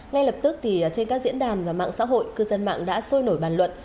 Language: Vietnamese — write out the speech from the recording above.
ngay lập tức trên các diễn đàn và mạng xã hội cư dân mạng đã sôi nổi bàn luận